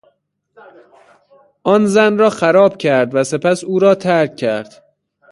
آن زن را خراب کرد و سپس او را ترک کرد.